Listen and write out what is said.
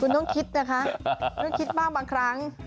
คุณต้องคิดนะคะต้องคิดบ้างบางครั้ง